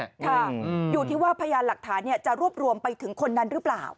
ค่ะอยู่ที่ว่าพยานหลักฐานจะรวบรวมไปถึงคนนั้นหรือเปล่า